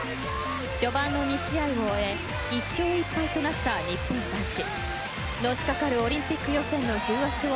序盤の２試合を終え１勝１敗となった日本男子。